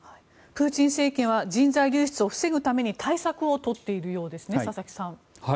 プーチン政権は人材流出を防ぐために対策をとっているようですね佐々木さん。